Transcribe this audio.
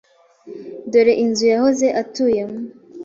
Dore inzu yahoze atuyemo.